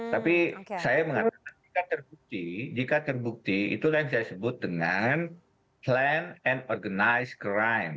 tapi saya mengatakan jika terbukti jika terbukti itulah yang saya sebut dengan plan and organized crime